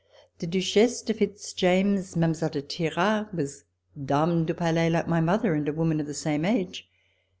The Duchesse de Fitz James — Mile, de Thiard — was Dame du Palais, like my mother, and a woman of the same age.